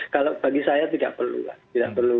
kalau bagi saya tidak perlu lah